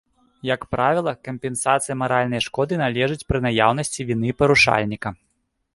Як правіла, кампенсацыя маральнай шкоды належыць пры наяўнасці віны парушальніка.